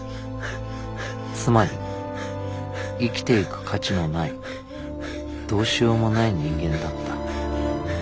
つまり生きていく価値のないどうしようもない人間だった。